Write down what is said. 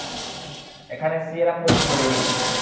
এখানে Sierra four কীভাবে জড়িত?